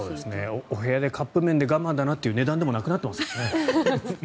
お部屋でカップ麺で我慢だなという値段でもなくなっていますけどね。